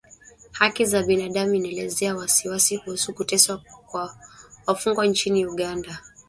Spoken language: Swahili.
Haki za binadamu inaelezea wasiwasi kuhusu kuteswa kwa wafungwa nchini Uganda